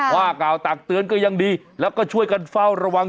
ว่ากล่าวตักเตือนก็ยังดีแล้วก็ช่วยกันเฝ้าระวัง